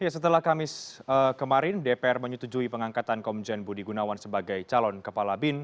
setelah kamis kemarin dpr menyetujui pengangkatan komjen budi gunawan sebagai calon kepala bin